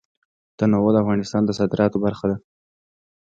تنوع د افغانستان د صادراتو برخه ده.